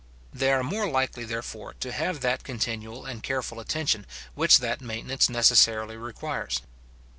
They are more likely, therefore, to have that continual and careful attention which that maintenance necessarily requires.